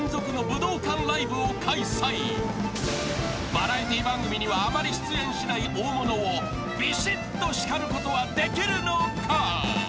［バラエティー番組にはあまり出演しない大物をビシッと叱ることはできるのか］